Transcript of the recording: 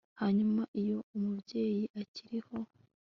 hanyuma iyo umubyeyi akiriho